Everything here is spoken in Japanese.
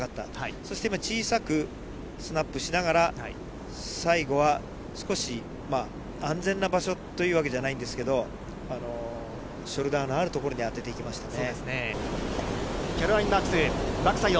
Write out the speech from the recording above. そして今、小さくスナップしながら、最後は少し安全な場所というわけじゃないんですけど、ショルダーのある所に当てていきましたね。